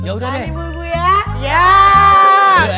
ya udah deh